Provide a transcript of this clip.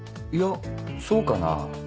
いやそうかな？